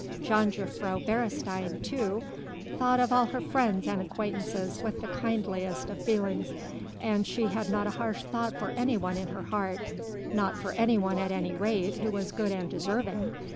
Jongejuffrouw Beresteyn, too, thought of all her friends and acquaintances with the kindliest of feelings, and she had not a harsh thought for anyone in her heart ... not for anyone, at any rate, who was good and deserving....